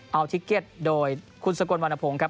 เอาทิเก็ตโดยคุณสกลวรรณพงศ์ครับ